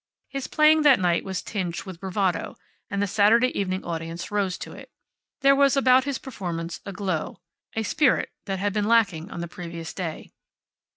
His playing that night was tinged with bravado, and the Saturday evening audience rose to it. There was about his performance a glow, a spirit that had been lacking on the previous day.